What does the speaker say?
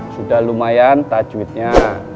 sudah lumayan tajwidnya